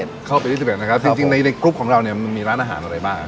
จริงในกรุ๊ปของเรามีร้านอาหารอะไรบ้างครับ